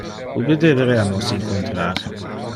Ubi deberea nos incontrar?